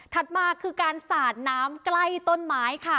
มาคือการสาดน้ำใกล้ต้นไม้ค่ะ